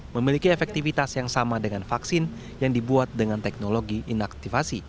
memiliki efektivitas yang sama dengan vaksin yang dibuat dengan teknologi inaktivasi